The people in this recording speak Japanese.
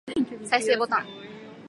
再生ボタン